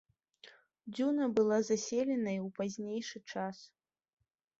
Дзюна была заселена і ў пазнейшы час.